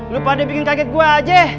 lu pada bikin kaget gue aja